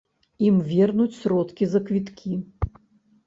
Ім вернуць сродкі за квіткі.